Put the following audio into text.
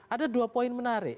ada dua poin menarik